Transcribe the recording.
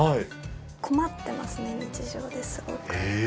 困ってますね、日常ですごく。